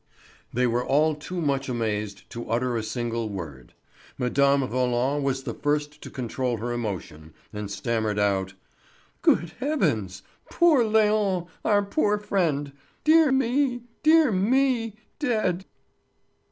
They were all too much amazed to utter a single word. Mme. Roland was the first to control her emotion and stammered out: "Good heavens! Poor Léon—our poor friend! Dear me! Dear me! Dead!"